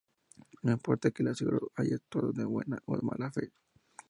No importa que el asegurado haya actuado de buena o mala fe.